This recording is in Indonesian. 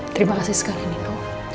terima kasih sekali nino